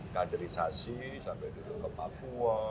kaderisasi sampai turun ke papua